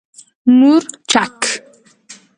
🌶 مورچک